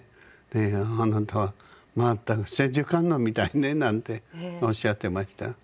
あなたは全く千手観音みたいねなんておっしゃってました。